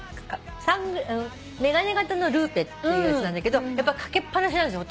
眼鏡型のルーペっていうやつなんだけどやっぱ掛けっ放しなんですよ